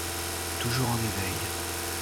Toujours en éveil